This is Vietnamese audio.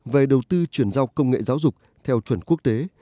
về đầu tư chuyển giao công nghệ giáo dục theo chuẩn quốc tế